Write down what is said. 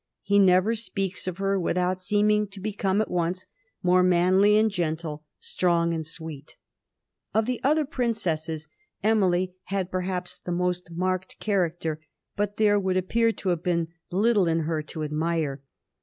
He never speaks of her without seeming to become at once more manly and gentle, strong and sweet. Of the other prin cesses, Emily had perhaps the most marked character, but there would appear to have been little in her to ad mire.